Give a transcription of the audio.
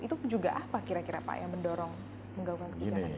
itu juga apa kira kira pak yang mendorong menggaungkan kebijakan ini